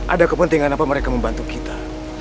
ada kepentingan apa mereka membantu kita